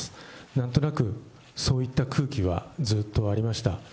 なんとなくそういった空気はずっとありました。